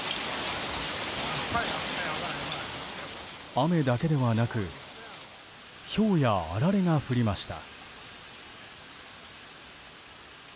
雨だけではなくひょうやあられが降りました。